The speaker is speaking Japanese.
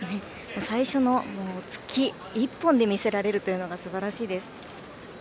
最初の突き一本で見せられるというのがすばらしいです。